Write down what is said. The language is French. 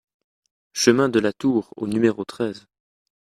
CHEMIN DE LA TOUR au numéro treize